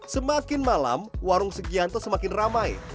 semakin malam warung sugianto semakin ramai